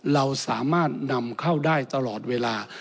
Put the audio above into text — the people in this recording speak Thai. เราสามารถนำเข้าได้ตลอดเวลา